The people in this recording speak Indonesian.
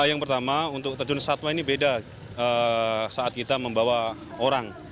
yang pertama untuk terjun satwa ini beda saat kita membawa orang